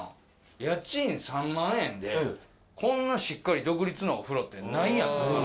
家賃３万円でこんなしっかり独立のお風呂ってないやん。